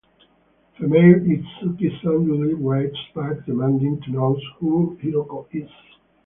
Female Itsuki suddenly writes back demanding to know who Hiroko is.